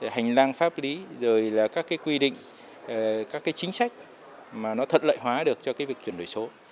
hành lang pháp lý rồi là các cái quy định các cái chính sách mà nó thật lợi hóa được cho cái việc chuyển đổi số